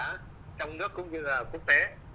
trong nước cũng như là quốc tế